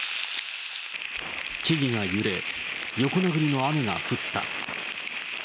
木々が揺れ、横殴りの雨が降った。